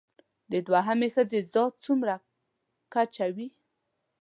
د دوهمې ښځې ذات څومره کچه وي